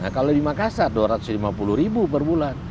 nah kalau di makassar dua ratus lima puluh ribu per bulan